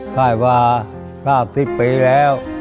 ค่ายวาราบศิษย์ไปแล้ว